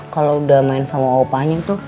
kalau udah main sama opanya tuh